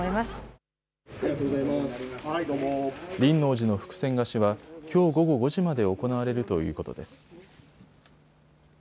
輪王寺の福銭貸しはきょう午後５時まで行われるということです。